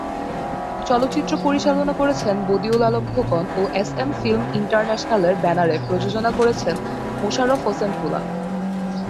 চলচ্চিত্র পরিচালনা করেছেন বদিউল আলম খোকন ও এসএম ফিল্ম ইন্টারন্যাশনালের ব্যানারে প্রযোজনা করেছেন মোশাররফ হোসেন তুলা।